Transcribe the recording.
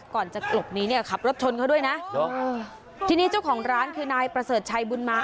ก่อนจะกลบนี้เนี่ยขับรถชนเขาด้วยนะทีนี้เจ้าของร้านคือนายประเสริฐชัยบุญมา